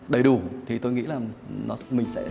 đầy đủ thì tôi nghĩ là mình sẽ